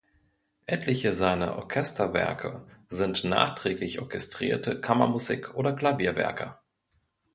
Etliche seiner Orchesterwerke sind nachträglich orchestrierte Kammermusik- oder Klavierwerke.